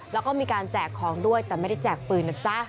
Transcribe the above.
แล้วก็มีการแจกของด้วยแต่ไม่ได้แจกปืนนะจ๊ะ